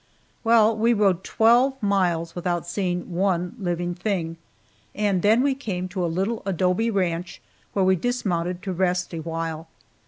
Well, we rode twelve miles without seeing one living thing, and then we came to a little adobe ranch where we dismounted to rest a while.